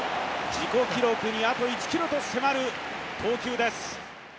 自己記録にあと１キロと迫る投球です。